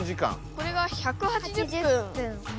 これは１８０分で。